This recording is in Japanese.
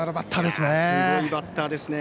すごいバッターですね。